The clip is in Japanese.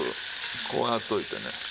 こうやっておいてね。